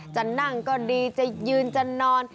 จะนั่งก็ดีจะยืนจะนอน